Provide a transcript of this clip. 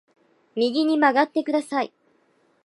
右に曲がってください